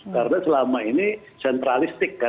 karena selama ini sentralistik kan